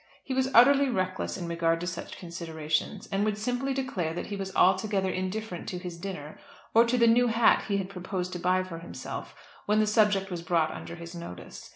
He was utterly reckless in regard to such considerations, and would simply declare that he was altogether indifferent to his dinner, or to the new hat he had proposed to buy for himself when the subject was brought under his notice.